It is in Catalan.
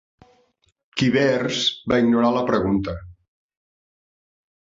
Quivers va ignorar la pregunta.